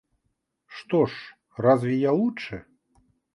Что ж, разве я лучше?